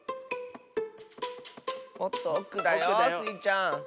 もっとおくだよスイちゃん。